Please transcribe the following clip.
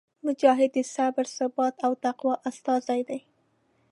مجاهد د صبر، ثبات او تقوا استازی دی.